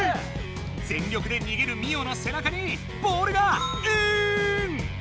全力でにげるミオのせなかにボールがイン！